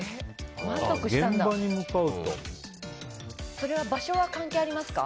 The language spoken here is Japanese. それは場所は関係ありますか？